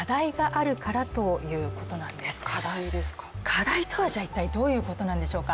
課題とはじゃあどういうことなんでしょうか。